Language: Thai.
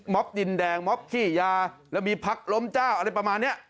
ดินแดงม็อบขี้ยาแล้วมีพักล้มเจ้าอะไรประมาณนี้